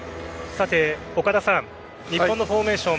岡田さん日本のフォーメーション